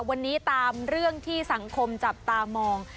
วันนี้ตามเรื่องที่สังคมจับตามอง